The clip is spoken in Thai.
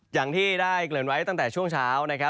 อย่างที่ได้เกริ่นไว้ตั้งแต่ช่วงเช้านะครับ